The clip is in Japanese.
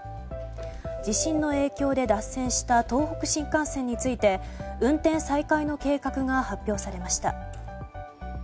地震の影響で脱線した東北新幹線について運転再開の計画が発表されました。